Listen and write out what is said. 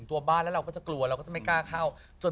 แต่บ้านนี้สมัยก่อน